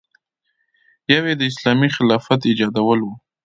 یو یې د اسلامي خلافت ایجادول و.